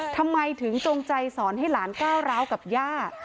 ทำไมถึงจงใจสอนให้หลานก้าวร้าวกับย่า